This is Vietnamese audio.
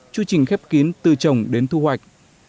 chú trình khép kín từ trồng đến thu hoạch